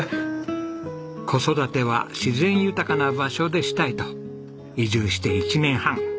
子育ては自然豊かな場所でしたいと移住して１年半。